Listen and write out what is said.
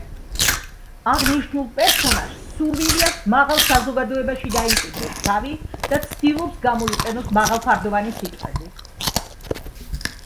აღნიშნულ პერსონაჟს სურვილი აქვს მაღალ საზოგადოებაში დაიმკვიდროს თავი და ცდილობს გამოიყენოს მაღალფარდოვანი სიტყვები.